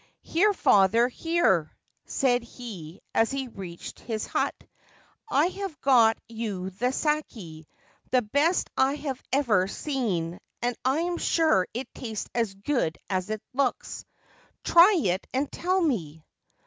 ' Here, father, here !' said he as he reached his hut :' I have got you the sake, the best I have ever seen, and I am sure it tastes as good as it looks ; try it and tell me